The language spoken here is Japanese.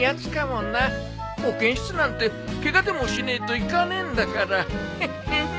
保健室なんてケガでもしねえと行かねえんだからヘヘン。